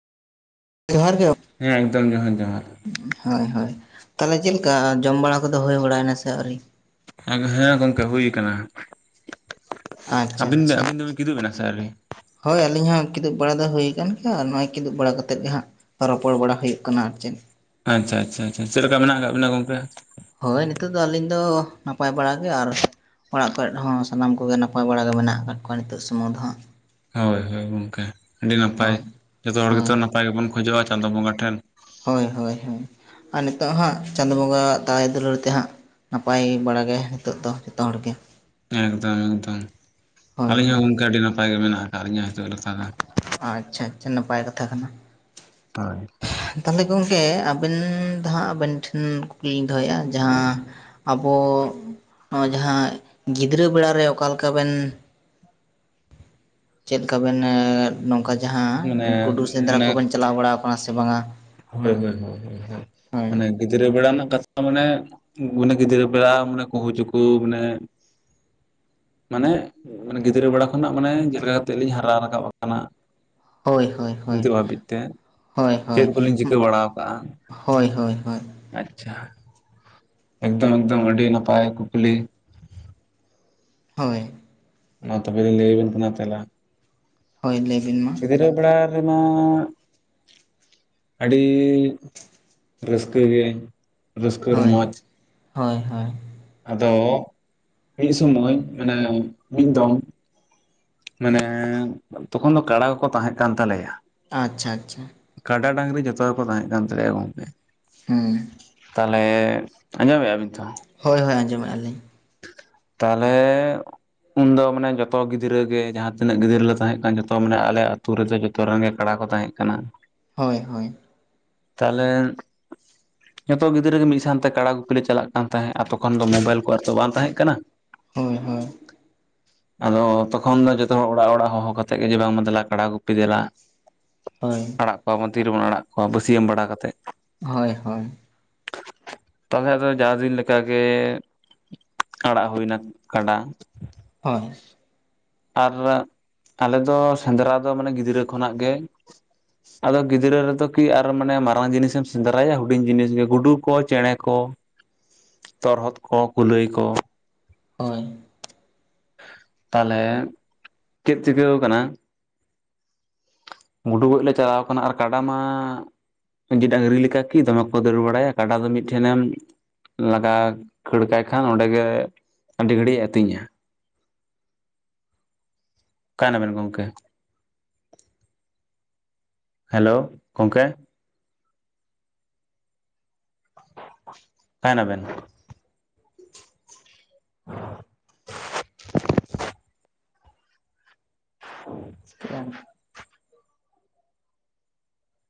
ᱡᱚᱦᱟᱨ ᱜᱮ, ᱦᱮᱸ, ᱮᱠᱫᱚᱢ ᱡᱚᱦᱟᱨ ᱡᱚᱦᱟᱨ ᱦᱳᱭ ᱦᱳᱭ, ᱛᱟᱦᱚᱞᱮ ᱪᱮᱫ ᱞᱮᱠᱟ ᱡᱚᱢ ᱵᱟᱲᱟ ᱠᱚᱫᱚ ᱦᱩᱭ ᱵᱟᱲᱟᱭᱮᱱᱟ ᱥᱮ ᱟᱹᱣᱨᱤ? ᱦᱮᱸ ᱜᱚᱝᱠᱮ ᱦᱩᱭ ᱠᱟᱱᱟ, ᱟᱪᱪᱷᱟ ᱟᱹᱵᱤᱱ ᱟᱪᱪᱷᱟ ᱟᱹᱵᱤᱱ ᱫᱚ ᱠᱤᱫᱩᱜ ᱮᱱᱟ ᱥᱮ ᱟᱣᱨᱤ? ᱦᱳᱭ ᱟᱹᱞᱤᱧ ᱦᱚᱸ ᱠᱤᱫᱩᱜ ᱵᱟᱲᱟ ᱫᱚ ᱦᱩᱭ ᱟᱠᱟᱱ ᱜᱮᱭᱟ ᱟᱨ ᱱᱚᱜ-ᱚᱭ ᱠᱤᱫᱩᱜ ᱵᱟᱲᱟ ᱠᱟᱛᱮᱫ ᱜᱮ ᱦᱟᱸᱜ ᱨᱚᱯᱚᱲ ᱵᱟᱲᱟ ᱦᱳᱭᱳᱜ ᱠᱟᱱᱟ ᱟᱨ ᱪᱮᱫ? ᱟᱪᱪᱷᱟ ᱟᱪᱪᱷᱟ ᱟᱪᱪᱷᱟ ᱪᱮᱫ ᱞᱮᱠᱟ ᱢᱮᱱᱟᱜ ᱟᱠᱟᱫ ᱵᱤᱱᱟ ᱜᱚ‍ᱢᱠᱮ? ᱦᱳᱭ ᱱᱤᱛᱚᱜ ᱫᱚ ᱟᱹᱞᱤᱧ ᱫᱚ ᱱᱟᱯᱟᱭ ᱵᱟᱲᱟ ᱜᱮ ᱟᱨ, ᱚᱲᱟᱜ ᱠᱚᱨᱮᱜ ᱦᱚᱸ ᱥᱟᱱᱟᱢ ᱠᱚ ᱜᱮ ᱱᱟᱯᱟᱭ ᱵᱟᱲᱟ ᱜᱮ ᱢᱮᱱᱟᱜ ᱟᱠᱟᱫ ᱠᱚᱣᱟ ᱱᱤᱛᱚᱜ ᱥᱩᱢᱩᱝ ᱫᱚ ᱦᱟᱸᱜ, ᱦᱳᱭ ᱦᱳᱭ ᱜᱚᱢᱠᱮ ᱟᱹᱰᱤ ᱱᱟᱯᱟᱭ ᱦᱳᱭ ᱡᱚᱛᱚ ᱦᱚᱲ ᱜᱮᱛᱚ ᱦᱳᱭ ᱱᱟᱯᱟᱭ ᱜᱮᱵᱚᱱ ᱠᱷᱚᱡᱚᱜᱼᱟ ᱪᱟᱸᱫᱳ ᱵᱚᱸᱜᱟ ᱴᱷᱮᱱ, ᱦᱳᱭ ᱦᱳᱭ ᱟᱨ ᱱᱤᱛᱚᱜ ᱦᱟᱸᱜ ᱪᱟᱸᱫᱳ ᱵᱚᱸᱜᱟᱣᱟᱜ ᱫᱟᱭ ᱫᱩᱞᱟᱹᱲ ᱛᱮ ᱦᱟᱸᱜ ᱱᱟᱯᱟᱭ ᱵᱟᱲᱟ ᱜᱮ ᱦᱤᱛᱚᱜ ᱫᱚ ᱡᱚᱛᱚ ᱦᱚᱲ ᱜᱮ, ᱮᱠᱫᱚᱢ ᱮᱠᱫᱚᱢ, ᱦᱳᱭ ᱟᱹᱞᱤᱧ ᱦᱚᱸ ᱦᱳᱭ ᱜᱚᱢᱠᱮ ᱟᱹᱰᱤ ᱱᱟᱯᱟᱭ ᱜᱮ ᱢᱮᱱᱟᱜ ᱟᱠᱟᱫ ᱞᱤᱧᱟᱹ ᱦᱤᱛᱚᱜ [inaudible] ᱟᱪᱪᱷᱟ ᱟᱪᱪᱷᱟ, ᱱᱟᱯᱟᱭ ᱠᱟᱛᱷᱟ ᱠᱟᱱᱟ ᱾ ᱛᱟᱜᱽ ᱛᱟᱦᱚᱞᱮ ᱜᱚᱢᱠᱮ ᱟᱵᱮᱱ ᱫᱷᱟᱸᱜ ᱟᱵᱮᱱ ᱴᱷᱮᱱ, ᱠᱩᱠᱞᱤᱧ ᱫᱚᱦᱚᱭᱮᱫᱼᱟ ᱡᱟᱦᱟᱸ ᱟᱵᱚᱼᱼ ᱱᱚᱜ-ᱚᱭ ᱡᱟᱦᱟᱸ ᱜᱤᱫᱽᱨᱟᱹ ᱵᱮᱲᱟ ᱨᱮ ᱚᱠᱟ ᱞᱮᱠᱟ ᱵᱮᱱ ᱪᱮᱫᱠᱟ ᱵᱮᱱ ᱱᱚᱝᱠᱟ ᱡᱟᱦᱟᱸ ᱢᱟᱱᱮ ᱜᱩᱰᱩ ᱥᱮᱸᱫᱽᱨᱟ ᱢᱟᱱᱮ ᱠᱚᱵᱮᱱ ᱪᱟᱞᱟᱣ ᱵᱟᱲᱟ ᱠᱟᱱᱟ ᱥᱮ ᱵᱟᱝᱟ? [inaudible] ᱦᱳᱭ ᱢᱟᱱᱮ ᱜᱤᱫᱽᱨᱟᱹ ᱵᱮᱲᱟ ᱨᱮᱱᱟᱜ ᱠᱟᱛᱷᱟ ᱢᱟᱱᱮ ᱢᱟᱱᱮ ᱜᱤᱫᱽᱨᱟᱹ ᱵᱮᱲᱟ ᱢᱟᱱᱮ ᱠᱩᱦᱩ ᱪᱩᱠᱩ ᱢᱟᱱᱮᱼᱼ ᱢᱟᱱᱮ ᱜᱤᱫᱽᱨᱟᱹ ᱵᱮᱲᱟ ᱠᱷᱚᱱᱟᱜ ᱢᱟᱱᱮ ᱜᱤᱫᱽᱨᱟᱹ ᱟᱛᱮᱫ ᱞᱤᱧ ᱦᱟᱨᱟ ᱨᱟᱠᱟᱵ ᱟᱠᱟᱱᱟ᱾ ᱦᱳᱭ ᱦᱳᱭ ᱦᱳᱭ ᱱᱤᱛᱚᱜ ᱦᱟᱹᱵᱤᱡ ᱛᱮ ᱦᱳᱭ ᱪᱮᱫ ᱦᱳᱭ ᱠᱚᱞᱤᱧ ᱪᱤᱠᱟᱹ ᱵᱟᱲᱟ ᱟᱠᱟᱜᱼᱟ? ᱦᱳᱭ ᱦᱳᱭ ᱦᱳᱭ᱾ ᱟᱪᱪᱷᱟ᱾ ᱮᱠᱫᱚᱢ ᱮᱠᱫᱚᱢ ᱟᱹᱰᱤ ᱱᱟᱯᱟᱭ ᱠᱩᱠᱞᱤ᱾ ᱦᱳᱭ᱾ ᱢᱟ ᱛᱚᱵᱮ ᱞᱤᱧ ᱞᱟᱹᱭ ᱟᱵᱮᱱ ᱠᱟᱱᱟ ᱛᱟᱞᱟ ᱦᱳᱭ ᱞᱟᱹᱭ ᱵᱤᱱ ᱢᱟ ᱜᱤᱫᱽᱨᱟᱹ ᱵᱮᱲᱟ ᱨᱮᱢᱟᱼᱼ ᱟᱹᱰᱤ ᱨᱟᱹᱥᱠᱟᱹ ᱜᱮ᱾ ᱨᱟᱹᱥᱠᱟᱹ ᱦᱳᱭ ᱨᱚᱢᱚᱡᱽ ᱦᱳᱭ ᱦᱳᱭ᱾ ᱟᱫᱚ ᱢᱤᱫ ᱥᱳᱢᱟᱹᱭ ᱢᱟᱱᱮ ᱢᱤᱫ ᱫᱚᱢ ᱢᱟᱱᱮ ᱛᱚᱠᱷᱚᱱ ᱫᱚ ᱠᱟᱲᱟ ᱠᱚ ᱛᱟᱦᱮᱸ ᱠᱟᱱ ᱛᱟᱞᱮᱭᱟ᱾ ᱟᱪᱪᱷᱟ ᱟᱪᱪᱷᱟ᱾ ᱠᱟᱰᱟ ᱰᱟᱝᱨᱤ ᱡᱚᱛᱚ ᱜᱮᱠᱚ ᱛᱟᱦᱮᱸ ᱠᱟᱱ ᱛᱟᱞᱮᱭᱟ ᱜᱚᱝᱠᱮ᱾ ᱦᱩᱸ᱾ ᱛᱟᱦᱚᱞᱮ ᱟᱸᱡᱚᱢᱮᱫᱼᱟᱵᱤᱱ ᱛᱚ᱾ ᱦᱳᱭ ᱦᱳᱭ ᱟᱸᱡᱚᱢᱮᱫᱼᱟ ᱞᱤᱧ᱾ ᱛᱟᱦᱚᱞᱮ ᱩᱱᱫᱚ ᱢᱟᱱᱮ ᱡᱚᱛᱚ ᱜᱤᱫᱽᱨᱟᱹ ᱜᱮ ᱡᱟᱦᱟᱸ ᱛᱤᱱᱟᱹᱜ ᱜᱤᱫᱽᱨᱟᱹᱞ ᱞᱮ ᱛᱟᱦᱮᱸ ᱠᱟᱱ ᱡᱚᱛᱚ ᱢᱟᱱᱮ ᱟᱞᱮ ᱟ ᱟᱹᱛᱩ ᱨᱮᱫᱚ ᱡᱚᱛᱚ ᱡᱷᱚᱛᱚ ᱨᱮᱱᱜᱮ ᱠᱟᱲᱟ ᱠᱚ ᱛᱟᱦᱮᱸ ᱠᱟᱱᱟ᱾ ᱦᱳᱭ ᱦᱳᱭ᱾ ᱛᱟᱦᱚᱞᱮ ᱡᱚᱛᱚ ᱜᱤᱫᱽᱨᱟᱹᱮ ᱜᱮ ᱢᱤᱫ ᱥᱟᱶᱛᱮ ᱠᱟᱲᱟ ᱜᱩᱯᱤ ᱞᱮ ᱪᱟᱞᱟᱜᱼᱼ ᱛᱟᱦᱮᱸᱜ ᱛᱚᱠᱷᱚᱱ ᱫᱚ ᱢᱳᱵᱟᱭᱤᱞ ᱠᱚ ᱟᱨ ᱛᱚ ᱵᱟᱝ ᱛᱟᱦᱮᱸ ᱠᱟᱱᱟ᱾ ᱦᱳᱭ ᱦᱳᱭ ᱟᱫᱚ ᱛᱚᱠᱷᱚᱱ ᱫᱚ ᱡᱚᱛᱚ ᱦᱚᱲ ᱚᱲᱟᱜ ᱚᱲᱟᱜ ᱦᱚᱦᱚ ᱠᱟᱛᱮᱫ ᱜᱮ ᱡᱮ ᱵᱟᱝᱢᱟ ᱫᱮᱞᱟ ᱠᱟᱰᱟ ᱜᱩᱯᱤ ᱫᱮᱞᱟ᱾ [inaudible] ᱦᱳᱭ᱾ ᱜᱟᱯᱟ ᱟᱵᱚ ᱛᱤ ᱨᱮᱵᱚᱱ ᱟᱲᱟᱜ ᱠᱚᱣᱟ ᱵᱟᱹᱥᱭᱟᱹᱢ ᱵᱟᱲᱟ ᱠᱟᱛᱮᱫ᱾ ᱦᱳᱭ ᱦᱳᱭ᱾ ᱛᱟᱦᱚᱞᱮ ᱟᱫᱚ ᱡᱟ ᱫᱤᱱ ᱞᱮᱠᱟᱜᱮ ᱟᱲᱟᱜ ᱦᱩᱭᱱᱟ ᱠᱟᱰᱟ᱾ ᱦᱳᱭ᱾ ᱟᱨ ᱟᱞᱮ ᱫᱚ ᱥᱮᱸᱫᱽᱨᱟ ᱫᱚ ᱢᱟᱱᱮ ᱜᱤᱫᱽᱨᱟᱹ ᱠᱷᱚᱱᱟᱜ ᱜᱮ ᱟᱫᱚ ᱜᱤᱫᱽᱨᱟᱹ ᱨᱮᱫᱚ ᱠᱤ ᱟᱨ ᱢᱟᱱᱮ ᱢᱟᱨᱟᱝ ᱡᱤᱱᱤᱥᱮᱢ ᱥᱮᱸᱫᱽᱨᱟᱭᱟ ᱦᱩᱰᱤᱧ ᱡᱤᱱᱤᱥ ᱜᱮ ᱜᱩᱰᱩ ᱠᱚ, ᱪᱮᱬᱮ ᱠᱚ ᱛᱚᱨᱦᱚᱫ ᱠᱚ, ᱠᱩᱞᱟᱹᱭ ᱠᱚ᱾ ᱦᱳᱭ᱾ ᱛᱟᱦᱚᱞᱮ ᱪᱮᱫ ᱪᱤᱠᱟᱹᱣ ᱟᱠᱟᱱᱟ? ᱜᱩᱰᱩ ᱜᱚᱡ ᱞᱮ ᱪᱟᱞᱟᱣ ᱠᱟᱱᱟ ᱟᱨ ᱠᱟᱰᱟ ᱢᱟ ᱰᱟᱝᱨᱤ ᱞᱮᱠᱟ ᱠᱤ ᱫᱚᱢᱮ ᱠᱚ ᱫᱟᱹᱲ ᱵᱟᱲᱟᱭᱟ ᱠᱟᱰᱟ ᱫᱚ ᱢᱤᱫ ᱴᱷᱮᱱᱮᱢᱼᱼ ᱞᱟᱜᱟ ᱠᱷᱟᱹᱲ ᱠᱟᱭ ᱠᱷᱟᱱ ᱚᱸᱰᱮ ᱜᱮ ᱟᱹᱰᱤ ᱜᱷᱟᱹᱲᱤᱡ ᱮ ᱟᱹᱛᱤᱧᱟ᱾ ᱚᱠᱟᱭ ᱱᱟᱵᱮᱱ ᱜᱚᱝᱠᱮ ᱦᱮᱞᱳ ᱜᱚᱝᱠᱮ? ᱚᱠᱟᱭ ᱱᱟᱵᱮᱱ? [inaudible]